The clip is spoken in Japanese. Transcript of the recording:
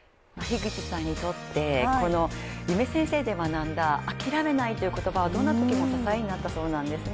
樋口さんにとってこの夢先生で学んだ諦めないという言葉はどんなときにも支えになったそうなんですね。